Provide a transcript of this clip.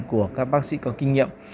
của các bác sĩ có kinh nghiệm